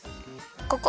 ここ！